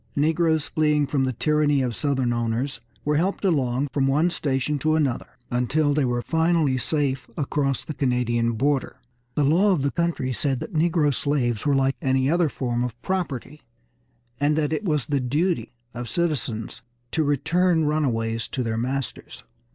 Negroes fleeing from the tyranny of Southern owners were helped along from one station to another, until they were finally safe across the Canadian border. The law of the country said that negro slaves were like any other form of property, and that it was the duty of citizens to return runaways to their masters.